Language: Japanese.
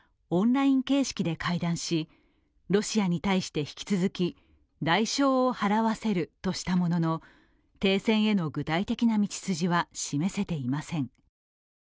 オンライン形式で会談し、ロシアに対して引き続き、代償を払わせるとしたものの、停戦への具体的な道筋は示せていません。